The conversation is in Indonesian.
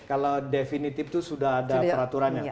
kalau definitif itu sudah ada peraturan ya